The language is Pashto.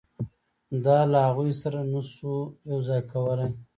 دا له هغوی سره نه شو یو ځای کولای.